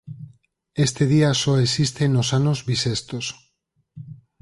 Este día só existe nos anos bisestos.